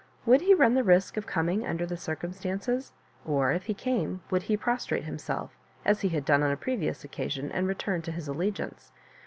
Would he run the risk of coming, under the droumstances ? or, if he came, would he pros trate himself as he had done on a previous occa sion, and return to his allegiance